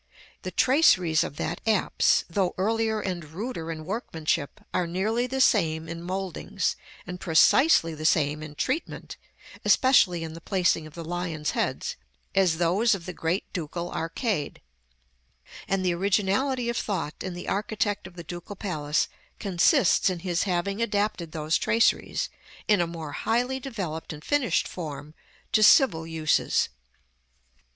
The traceries of that apse, though earlier and ruder in workmanship, are nearly the same in mouldings, and precisely the same in treatment (especially in the placing of the lions' heads), as those of the great Ducal Arcade; and the originality of thought in the architect of the Ducal Palace consists in his having adapted those traceries, in a more highly developed and finished form, to civil uses.